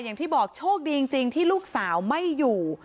อย่างที่บอกโชคดีจริงที่ลูกสาวไม่อยู่